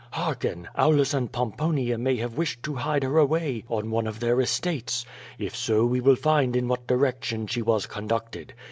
HearkenI Anlns and "] QUO VADIS. 99 Pomponia may have wished to hide her away on one of their estates. If so we will find in what direction she was con ducted.